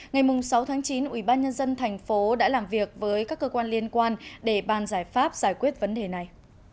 ngày sáu chín ủy ban nhân dân thành phố đã làm việc với các cơ quan liên quan để bàn giải pháp giải quyết vấn đề này